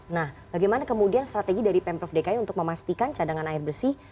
nah bagaimana kemudian strategi dari pemprov dki untuk memastikan cadangan air bersih